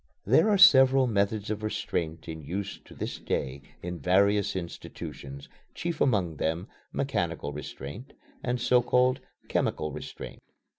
There are several methods of restraint in use to this day in various institutions, chief among them "mechanical restraint" and so called "chemical restraint."